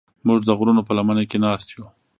موږ د غرونو په لمنه کې ناست یو.